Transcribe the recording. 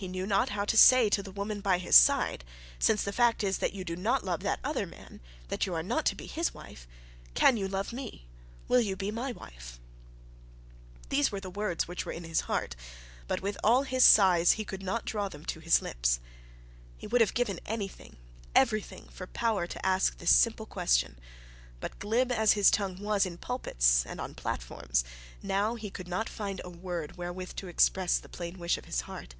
He knew not how to say to the woman at his side, 'Since the fact is that you do not love that other man, that you are not to be his wife, can you love me, will you be my wife?' These were the words which were in his heart, but with all his sighs he could not draw them to his lips. He would have given anything, everything for power to ask this simple question; but glib as was his tongue in pulpits and on platforms, now he could not find a word wherewith to express the plain wish of his heart.